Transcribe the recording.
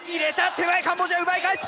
手前カンボジア奪い返す！